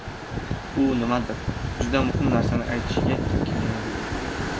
— U nimanidir, juda muhim narsani aytishga ikkilanar edi.